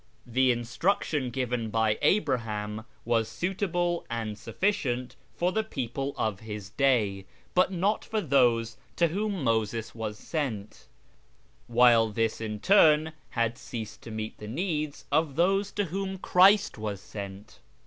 The instruction given by Abraham was suitable and sufficient for the people of his day, but not for those to whom Moses was sent, while this in turn had ceased to meet the needs of those to whom Christ was sent.